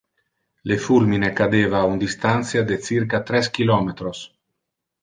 Le fulmine cadeva a un distantia de circa tres kilometros